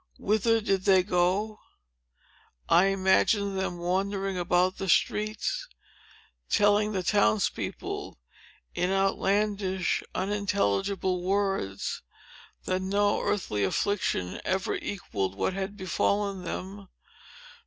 Whither did they go? I imagine them wandering about the streets, telling the town's people, in outlandish, unintelligible words, that no earthly affliction ever equalled what had befallen them.